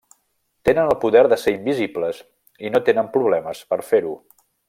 Tenen el poder de ser invisibles i no tenen problemes per fer-ho!